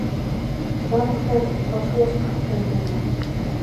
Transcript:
Банктар ҡаршылашҡан хәлдә лә.